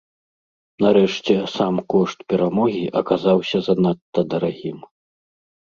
Нарэшце, сам кошт перамогі аказаўся занадта дарагім.